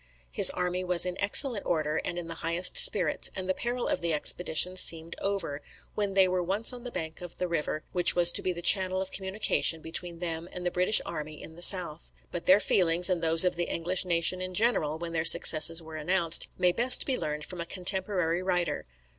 His army was in excellent order and in the highest spirits; and the peril of the expedition seemed over, when they were once on the bank of the river which was to be the channel of communication between them and the British army in the south. But their feelings, and those of the English nation in general when their successes were announced, may best be learned from a contemporary writer.